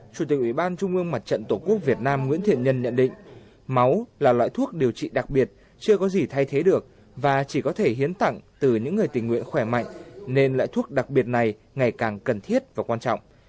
chủ tịch ủy ban trung ương mặt trận tổ quốc việt nam nguyễn thiện nhân nhận định máu là loại thuốc điều trị đặc biệt chưa có gì thay thế được và chỉ có thể hiến tặng từ những người tình nguyện khỏe mạnh nên loại thuốc đặc biệt này ngày càng cần thiết và quan trọng